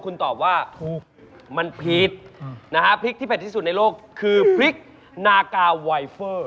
คุณตอบว่าถูกมันผิดนะฮะพริกที่เผ็ดที่สุดในโลกคือพริกนากาไวเฟอร์